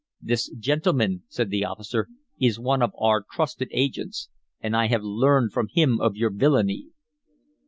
"This gentleman," said the officer, "is one of our trusted agents. And I have learned from him of your villainy."